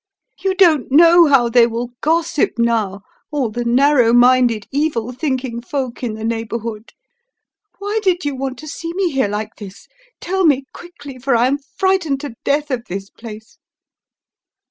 You don't know how they will gossip now, all the narrow minded, evil thinking folk in the neighbourhood. Why did you want to see me here like this? Tell me quickly, for I am frightened to death of this place."